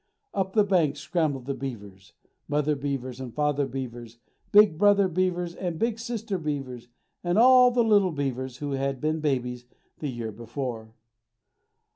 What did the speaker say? Up the banks scrambled the beavers,—mother beavers and father beavers, big brother beavers and big sister beavers, and all the little beavers who had been babies the year before.